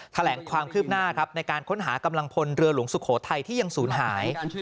แถลงความคืบหน้าครับในการค้นหากำลังพลเรือหลวงสุโขทัยที่ยังศูนย์หาย